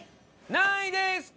何位ですか？